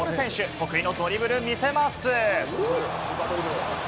得意なドリブルを見せます。